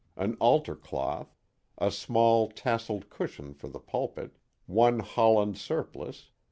An altar cloth. A small tasselled cushion for the pulpit. One Holland surplice.